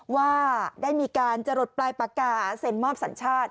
ว่าได้มีการจะหลดปลายปากกาเซ็นมอบสัญชาติ